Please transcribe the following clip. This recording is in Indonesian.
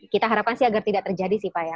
kita harapkan sih agar tidak terjadi sih pak ya